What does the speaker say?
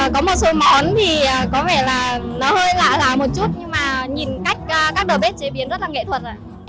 có một số món thì có vẻ là nó hơi lạ một chút nhưng mà nhìn cách các đầu bếp chế biến rất là nghệ thuật